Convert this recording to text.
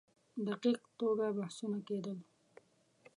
دقیق توګه بحثونه کېدل.